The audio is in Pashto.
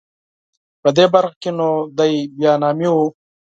په دې برخه کې نو دای بیا نامي و.